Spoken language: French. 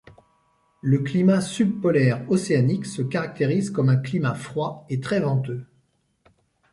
Le climat subpolaire océanique se caractérise comme un climat froid et très venteux.